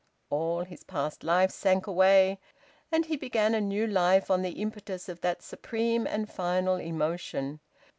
All his past life sank away, and he began a new life on the impetus of that supreme and final emotion.